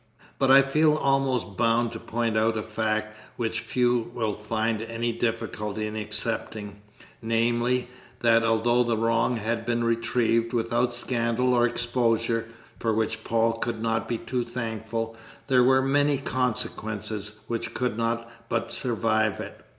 But I feel almost bound to point out a fact which few will find any difficulty in accepting, namely, that, although the wrong had been retrieved without scandal or exposure, for which Paul could not be too thankful, there were many consequences which could not but survive it.